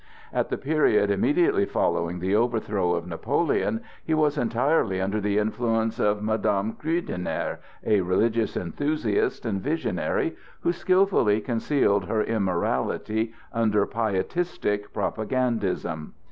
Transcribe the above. At the period immediately following the overthrow of Napoleon he was entirely under the influence of Madame Krüdener, a religious enthusiast and visionary, who skilfully concealed her immorality under pietistic propagandism.